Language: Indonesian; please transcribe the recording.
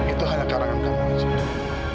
itu hanya karangan karangan saja